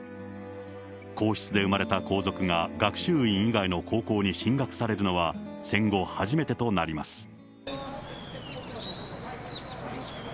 皇室で生まれた皇族が学習院以外の高校に進学されるのは、戦後初めてとなります。